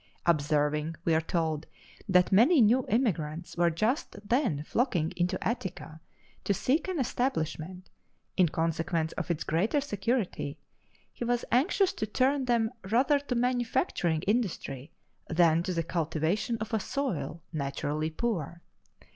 Observing (we are told) that many new immigrants were just then flocking into Attica to seek an establishment, in consequence of its greater security, he was anxious to turn them rather to manufacturing industry than to the cultivation of a soil naturally poor.